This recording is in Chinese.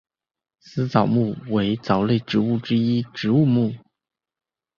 丝藻目为藻类植物之一植物目。